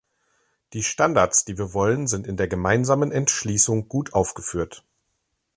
Die Standards, die wir wollen, sind in der Gemeinsamen Entschließung gut aufgeführt.